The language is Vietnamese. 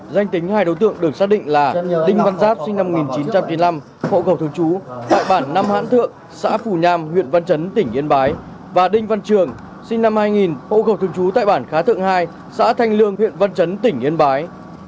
danh tính hai đối tượng được xác định là đinh văn giáp sinh năm một nghìn chín trăm chín mươi năm hộ khẩu thường trú tại bản năm hãn thượng xã phù nham huyện văn chấn tỉnh yên bái và đinh văn trường sinh năm hai nghìn hộ khẩu thường trú tại bản khá thượng hai xã thanh lương huyện văn chấn tỉnh yên bái